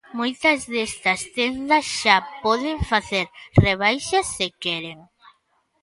Moitas desas tendas xa poden facer rebaixas se queren.